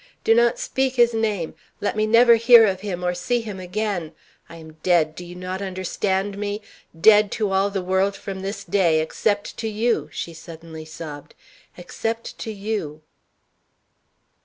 Do not speak his name. Let me never hear of him or see him again. I am dead do you not understand me? dead to all the world from this day except to you!' she suddenly sobbed, 'except to you!'